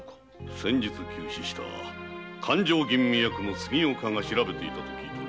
先日急死した勘定吟味役の杉岡が調べていたと聞いてます。